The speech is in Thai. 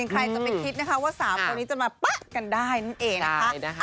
ใครจะไปคิดนะคะว่า๓คนนี้จะมาปะกันได้นั่นเองนะคะ